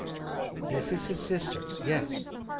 'This is his sister. Yes.